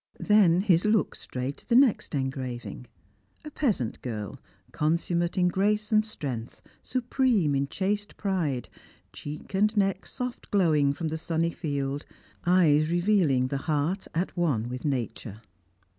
Then his look strayed to the next engraving; a peasant girl, consummate in grace and strength, supreme in chaste pride, cheek and neck soft glowing from the sunny field, eyes revealing the heart at one with nature.